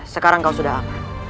sekarang kau sudah aman